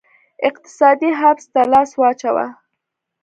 اقتصادي حبس ته لاس واچاوه